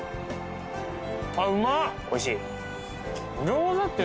おいしい？